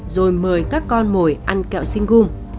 rồi mời các con mồi ăn kẹo sinh gung